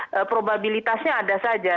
nah probabilitasnya ada saja